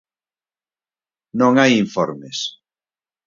Non hai informes.